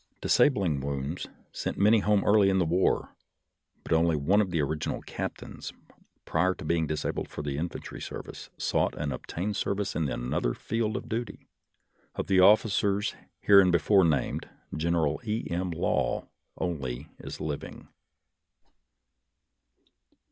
Disabling wounds sent many honie early in the war, but only one of the orig inal captains, prior to being disabled for in fantry service, sought and obtained service in INTRODUCTION 18 another field of duty. Of the officers hereinbe fore named, General E. M. Law only is living.